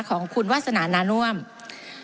ของคุณวาษนานานว่ำ